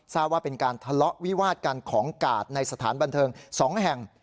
ทราบว่าเป็นการทะเลาะวิวาดกันของกาดในสถานบันเทิง๒แห่ง